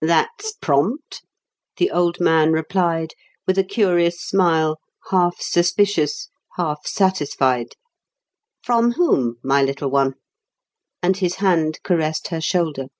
"That's prompt," the old man replied, with a curious smile, half suspicious, half satisfied. "From whom, my little one?" And his hand caressed her shoulder.